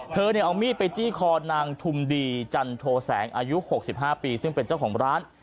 เธอเอามีดไปจี้คอนางทุมดีจันโทแสงอายุ๖๕ปีซึ่งเป็นเจ้าของร้าน